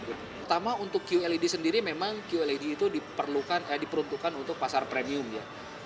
terutama untuk qled sendiri memang qled itu diperuntukkan untuk pasar premium ya